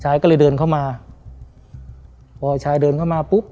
ก็เลยเดินเข้ามาพอชายเดินเข้ามาปุ๊บ